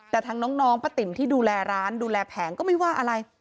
แต่ทางน้องป้าติ๋มที่ดูแลร้านดูแลแผงก็ไม่ว่าอะไร